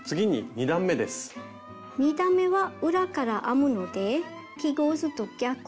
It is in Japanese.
２段めは裏から編むので記号図と逆を編みます。